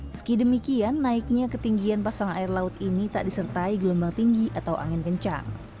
meski demikian naiknya ketinggian pasang air laut ini tak disertai gelombang tinggi atau angin kencang